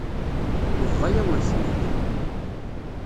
Yebḍa-yawen-ten-id.